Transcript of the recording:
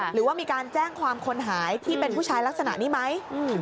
หรือว่ามีการแจ้งความคนหายที่เป็นผู้ชายลักษณะนี้ไหม